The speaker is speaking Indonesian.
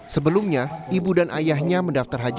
sebelumnya ibu dan ayahnya menerima ibadah haji